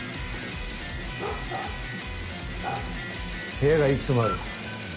部屋がいくつもある。